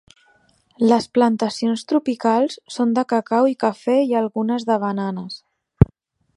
Les plantacions tropicals són de cacau i cafè i algunes de bananes.